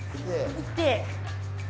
行って。